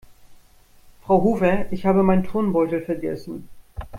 Frau Hofer, ich habe meinen Turnbeutel vergessen.